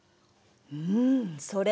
うんそれ